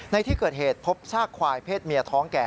ในที่เกิดเหตุพบซากควายเพศเมียท้องแก่